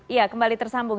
iya kembali tersambung